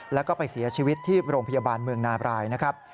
แล้วก็ไปเสียชีวิตที่โรงพยาบาลเมืองนาบรายนะครับ